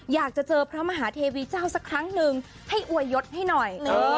อยากจะเจอพระมหาเทวีเจ้าสักครั้งนึงให้อวยยศให้หน่อย